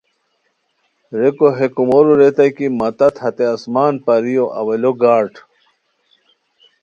ریکو ہے کومورو ریتائے کی مہ تت ہتے آسمان پریو اوّلانو گارڈ